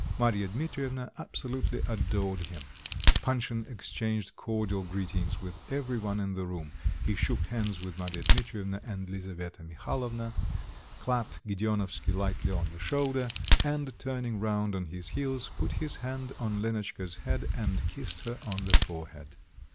Marya Dmitrievna absolutely adored him. Panshin exchanged cordial greetings with every one in the room; he shook hands with Marya Dmitrievna and Lisaveta Mihalovna, clapped Gedeonovsky lightly on the shoulder, and turning round on his heels, put his hand on Lenotchka's head and kissed her on the forehead.